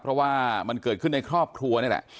เพราะว่ามันเกิดขึ้นในครอบครัวนี่แหละ